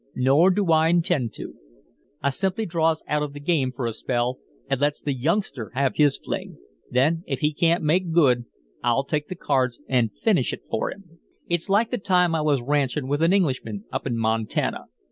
Nor do I intend to. I simply draws out of the game fer a spell, and lets the youngster have his fling; then if he can't make good, I'll take the cards and finish it for him. "It's like the time I was ranchin' with an Englishman up in Montana.